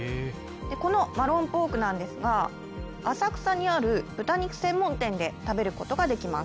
このマロンポークなんですが、浅草にある豚肉専門店で食べることができます。